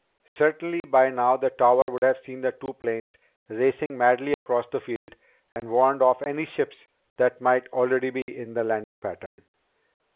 Certainly by now the tower would have seen the two planes racing madly across the field and warned off any ships that might already be in the landing pattern.